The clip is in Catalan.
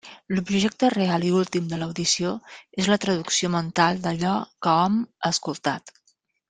L'objecte real i últim de l'audició és la traducció mental d'allò que hom ha escoltat.